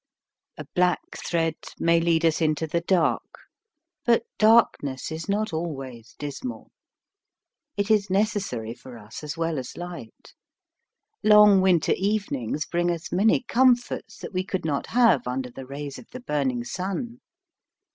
A black thread may lead us into the dark, but darkness is not always dis 84 MIND, MATTE3R mal. It is necessary for us as well as light. Long winter evenings bring us many comforts that we could not have under the rays of the burning sun.